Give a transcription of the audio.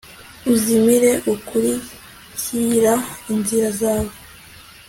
uzimire ukurikira inzira zawe